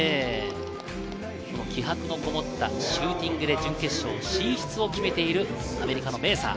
気迫のこもったシューティングで準決勝進出を決めているアメリカのメーサー。